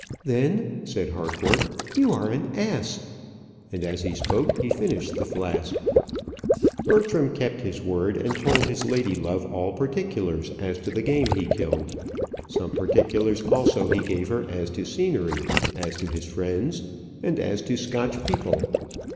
"Then," said Harcourt, "you are an ass;" and as he spoke he finished the flask. Bertram kept his word, and told his lady love all particulars as to the game he killed; some particulars also he gave her as to scenery, as to his friends, and as to Scotch people.